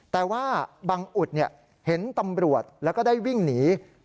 แต่ว่าบังอุดเห็นตำรวจแล้วก็ได้วิ่งหนี